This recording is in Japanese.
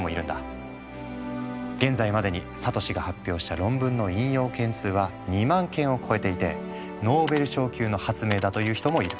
現在までにサトシが発表した論文の引用件数は２万件を超えていてノーベル賞級の発明だという人もいる。